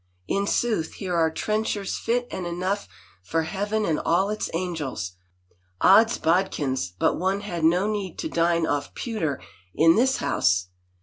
" In sooth here are trenchers fit and enough for heaven and all its angels. Odd's bodkins, but one had no need to dine off pewter in this house